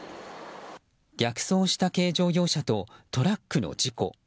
逆走した軽乗用車とトラックの事故。